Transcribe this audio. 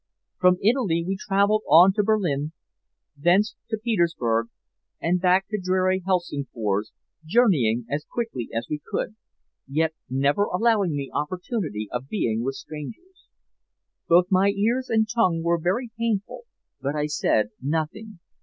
"From Italy we traveled on to Berlin, thence to Petersburg, and back to dreary Helsingfors, journeying as quickly as we could, yet never allowing me opportunity of being with strangers. Both my ears and tongue were very painful, but I said nothing.